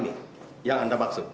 hidup tanpa mu